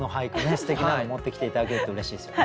すてきなの持ってきて頂けるとうれしいですよね。